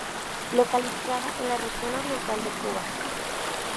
Localizada en la región oriental de Cuba.